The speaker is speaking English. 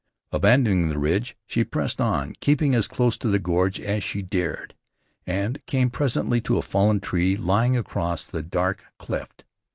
Abandoning the ridge, she pressed on, keeping as close to the gorge as she dared, and came presently to a fallen tree lying across the dark cleft.